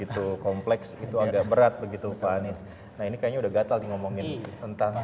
itu kompleks itu agak berat begitu pak anies nah ini kayaknya udah gatal diomongin tentang